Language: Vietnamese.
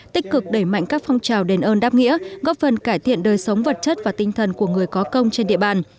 tích cực đẩy mạnh các phong trào đền ơn đáp nghĩa góp phần cải thiện đời sống vật chất và tinh thần của người có công trên địa bàn